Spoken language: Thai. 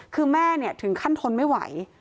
คือแม่เนี่ยถึงขั้นธนไม่ไหว